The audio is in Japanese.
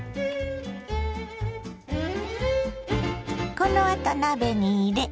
このあと鍋に入れ